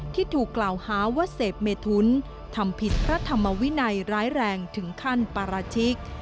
ที่ถูกกล่าวหาว่าเสพเมทุนทำผิดพระธรรมวินัยร้ายแรงถึงขั้นปราชิก